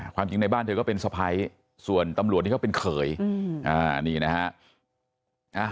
ความจริงในบ้านเธอก็เป็นสะพ้ายส่วนตำรวจที่เขาเป็นเขยนี่นะฮะ